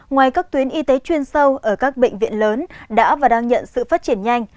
ngoài các tuyến y tế chuyên sâu ở các bệnh viện lớn đã và đang nhận sự phát triển nhanh